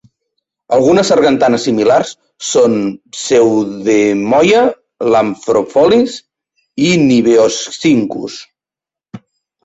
Algunes sargantanes similars són "Pseudemoia", "Lampropholis" i "Niveoscincus".